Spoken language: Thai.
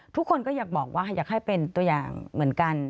ทุกคนก็อยากบอกว่าอยากให้เป็นตัวอย่างเหมือนกัน